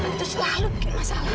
mas iksan selalu bikin masalah